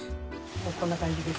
こんな感じですね。